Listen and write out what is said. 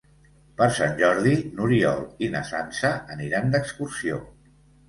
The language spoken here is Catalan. Per Sant Jordi n'Oriol i na Sança aniran d'excursió.